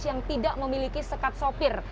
yang tidak memiliki sekat sopir